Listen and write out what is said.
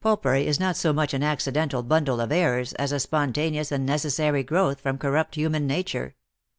Popery is not so much an accidental bundle of errors, as a spontaneous and necessary growth from corrupt human nature.